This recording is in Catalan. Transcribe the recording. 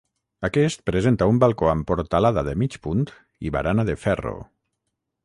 Aquest presenta un balcó amb portalada de mig punt i barana de ferro.